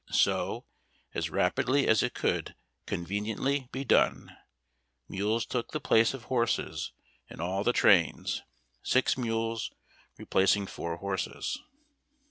So, as rapidly as it could con veniently be done, mules took the place of horses in all the trains, six mules replacing four horses.